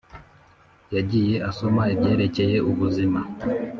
yagiye asoma ibyerekeye ubuzima,